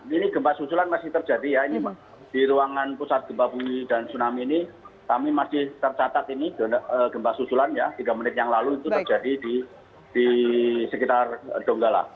ini gempa susulan masih terjadi ya ini di ruangan pusat gempa bumi dan tsunami ini kami masih tercatat ini gempa susulan ya tiga menit yang lalu itu terjadi di sekitar donggala